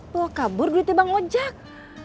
bawa kabur duitnya bang ojak